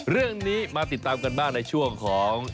เรื่องนี้มาติดตามกันบ้างในช่วงของ